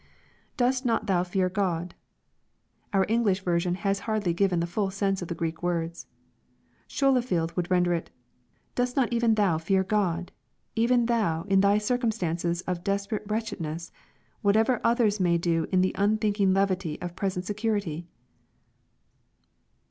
[Dost not thou fear God.] Our English version has hardly given the full sense of the Greek words. Scholefield would render it, " Dost not even thou fear God ? Even thou, in thy circumstances of desperate wretchedness, — whatever others may do in the un thinking levity of present security